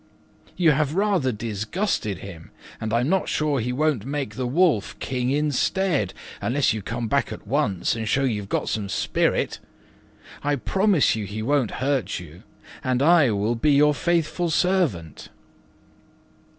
You have rather disgusted him, and I'm not sure he won't make the wolf King instead, unless you come back at once and show you've got some spirit. I promise you he won't hurt you, and I will be your faithful servant."